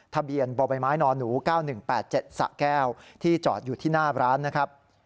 ทะเบียนบ่อใบไม้นหนู๙๑๘๗สะแก้วที่จอดอยู่ที่หน้าร้านนะครับ